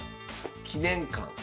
記念館。